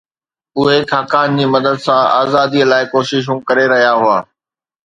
اهي خاقان جي مدد سان آزاديءَ لاءِ ڪوششون ڪري رهيا هئا